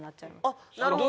あっなるほど。